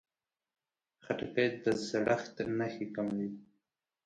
خټکی د زړښت نښې کموي.